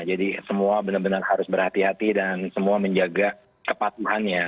semua benar benar harus berhati hati dan semua menjaga kepatuhannya